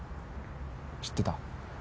知ってた？